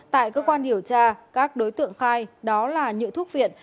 tại cơ quan điều tra các đối tượng khai đó là nhựa thuốc viện